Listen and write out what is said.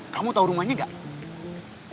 kamu tahu rumahnya enggak